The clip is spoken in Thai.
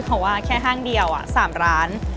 เพราะว่าแค่ห้างเดียว๓ร้าน